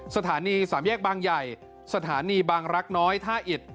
สถานีสามแยกบางใหญ่สถานีบางรักน้อยท่าอิด